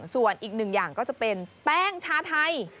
ส่วนอีกหนึ่งอย่างก็จะเป็นแป้งชาไทย